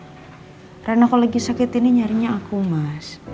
karena aku lagi sakit ini nyarinya aku mas